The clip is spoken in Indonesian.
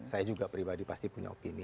saya juga pribadi pasti punya opini